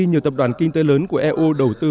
nhiều tập đoàn kinh tế lớn của eu đầu tư